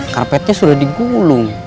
karpetnya sudah digulung